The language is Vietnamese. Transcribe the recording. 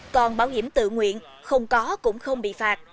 còn bảo hiểm tự nguyện không có cũng không bị phạt